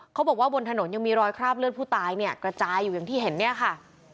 บอกว่าบนถนนยังมีรอยคราบเลือดผู้ตายเนี่ยกระจายอยู่อย่างที่เห็นเนี่ยค่ะ